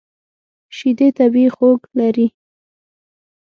شیدې طبیعي خوږ لري.